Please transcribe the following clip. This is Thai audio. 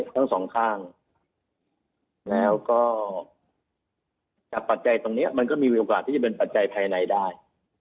ทั้งสองข้างแล้วก็จากปัจจัยตรงนี้มันก็มีโอกาสที่จะเป็นปัจจัยภายในได้